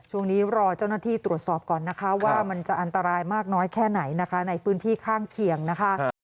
ช่วงนี้รอเจ้าหน้าที่ตรวจสอบก่อนนะคะว่ามันจะอันตรายมากน้อยแค่ไหนนะคะในพื้นที่ข้างเคียงนะคะ